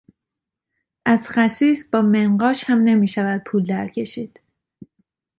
از خسیس با منقاش هم نمیشود پول در کشید.